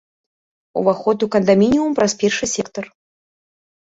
Уваход у кандамініум праз першы сектар.